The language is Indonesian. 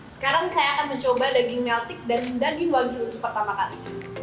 sekarang saya akan mencoba daging meltik dan daging wagyu untuk pertama kali